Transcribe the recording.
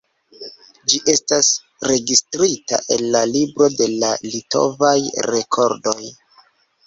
Ĝi estas registrita en la libro de la litovaj rekordoj.